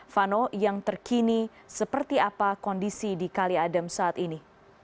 vano yang terkini seperti apa kondisi di kali adem saat ini